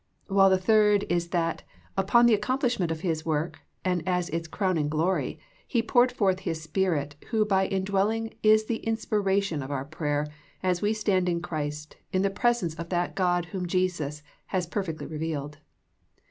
While the third is that upon the accomplishment of His work and as its crowning glory He poured forth His Spirit who by indwelling is the inspiration of our prayer as we stand in Christ in the presence of that God whom Jesus has perfectly revealed.